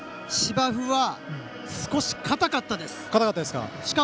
芝生は少し硬かったです。